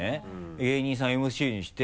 芸人さんＭＣにして。